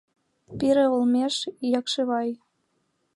Пире олмеш Якшывай...